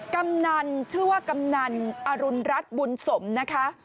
กำนันชื่อว่ากำนันอรุณรัฐบุญสมนะคะ